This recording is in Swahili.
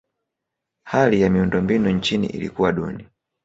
hali ya miundombinu nchini ilikuwa duni